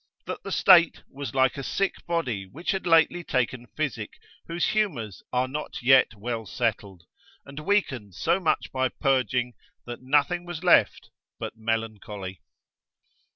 That the state was like a sick body which had lately taken physic, whose humours are not yet well settled, and weakened so much by purging, that nothing was left but melancholy.